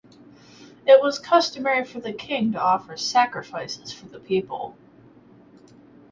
It was customary for the king to offer sacrifices for the people.